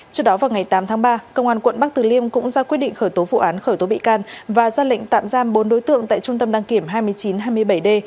trước đó vào ngày tám tháng ba công an quận bắc từ liêm cũng ra quyết định khởi tố vụ án khởi tố bị can và ra lệnh tạm giam bốn đối tượng tại trung tâm đăng kiểm hai nghìn chín trăm hai mươi bảy d